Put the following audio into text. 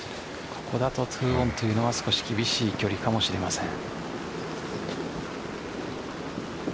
この後２オンというのは少し厳しいかもしれません。